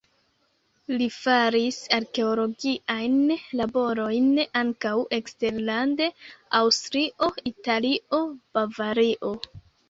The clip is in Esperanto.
Li faris arkeologiajn laborojn ankaŭ eksterlande: Aŭstrio, Italio, Bavario.